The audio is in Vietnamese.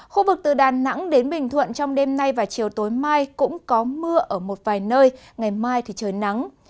khu vực từ đà nẵng đến bình thuận trong đêm nay và chiều tối mai cũng có mưa ở một vài nơi ngày mai thì trời nắng